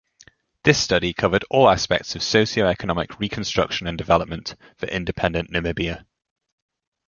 This study covered all aspects of socio-economic reconstruction and development for independent Namibia.